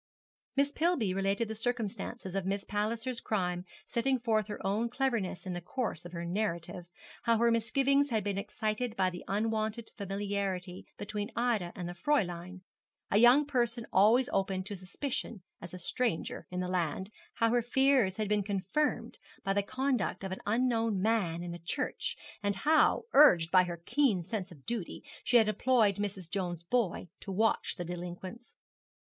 Miss Pillby related the circumstances of Miss Palliser's crime setting forth her own cleverness in the course of her narrative how her misgivings had been excited by the unwonted familiarity between Ida and the Fräulein a young person always open to suspicion as a stranger in the land how her fears had been confirmed by the conduct of an unknown man in the church; and how, urged by her keen sense of duty, she had employed Mrs. Jones's boy to watch the delinquents.